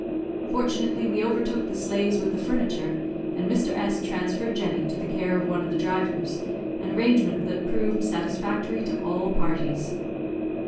Fortunately, we overtook the sleighs with the furniture, and Mr. S transferred Jenny to the care of one of the drivers; an arrangement that proved satisfactory to all parties.